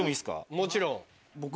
もちろん。